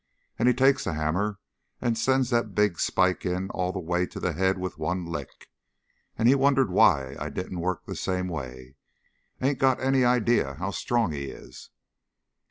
And he takes the hammer, and sends that big spike in all the way to the head with one lick. And he wondered why I didn't work the same way! Ain't got any idea how strong he is."